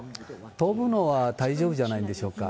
飛ぶのは大丈夫じゃないんでしょうか。